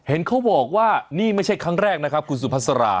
เห็นเขาบอกว่านี่ไม่ใช่ครั้งแรกนะครับคุณสุภาษา